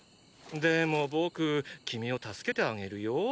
でも僕君を助けてあげるよ？